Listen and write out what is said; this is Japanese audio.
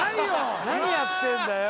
何やってんだよ